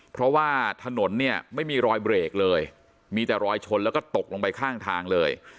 เพราะว่าถนนเนี่ยไม่มีรอยเบรกเลยมีแต่รอยชนแล้วก็ตกลงไปข้างทางเลย